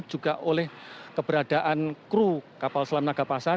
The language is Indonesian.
juga oleh keberadaan kru kapal selam naga pasar